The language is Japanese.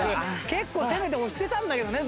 結構攻めて押してたんだけどねずっとね。